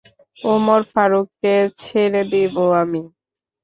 ওমর ফারুককে ছেড়ে দিব আমি।